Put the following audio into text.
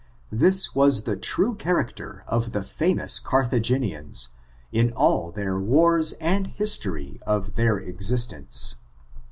This was the true character of the famous Carthagenians in all their wars, and history of their existence.